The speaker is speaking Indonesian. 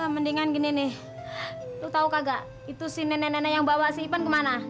mendingan gini nih lu tahu kagak itu si nenek nenek yang bawa si ipan kemana